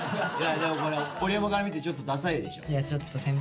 でもこれ織山から見てちょっとダサいでしょ？